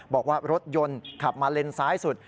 บอกว่ารถยนต์ขับมาเลนซ้ายสุด